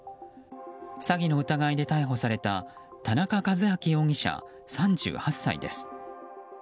詐欺の疑いで逮捕された田中一明容疑者、３８歳です。